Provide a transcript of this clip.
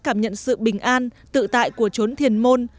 cảm nhận sự bình an tự tại của trốn thiền môn